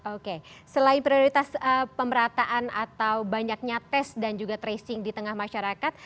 oke selain prioritas pemerataan atau banyaknya tes dan juga tracing di tengah masyarakat